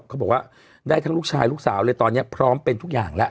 เขาบอกว่าได้ทั้งลูกชายลูกสาวเลยตอนนี้พร้อมเป็นทุกอย่างแล้ว